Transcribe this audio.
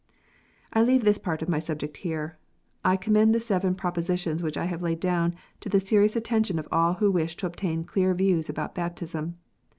I leave this part of my subject here. I commend the seven propositions which I have laid down to the serious attention of all who wish to obtain clear views about baptism.